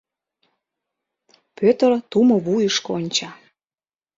Пӧтыр тумо вуйышко онча.